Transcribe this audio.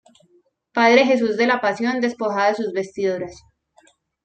Padre Jesús de la Pasión Despojado de sus Vestiduras.